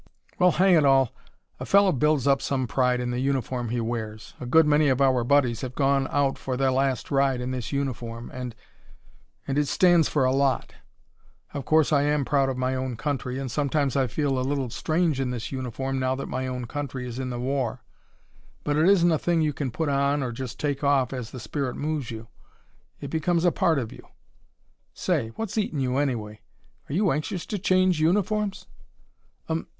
"Well, hang it all! a fellow builds up some pride in the uniform he wears. A good many of our buddies have gone out for their last ride in this uniform and and it stands for a lot. Of course I am proud of my own country, and sometimes I feel a little strange in this uniform now that my own country is in the war, but it isn't a thing you can put on or take off just as the spirit moves you. It becomes a part of you. Say! What's eatin' you, anyway? Are you anxious to change uniforms?"